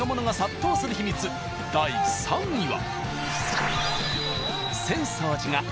第３位は。